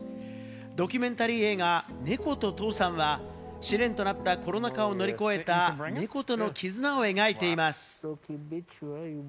ドキュメンタリー映画『猫と、とうさん』は試練となったコロナ禍を乗り越えた猫との絆を描いています。